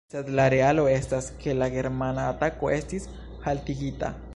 Sed la realo estas, ke la germana atako estis haltigita.